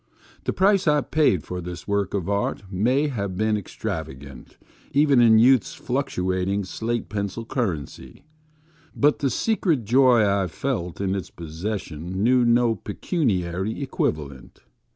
The price I paid for this work of art may have been extravagant), even in youth's fluctuating slate pencil currency ; but the secret joy I felt in its possession knew no pecuni ary equivalent.